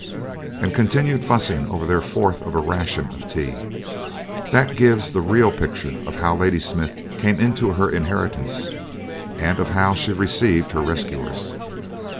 and continued fussing over their fourth of a ration of tea. That gives the real picture of how Ladysmith came into her inheritance, and of how she received her rescuers.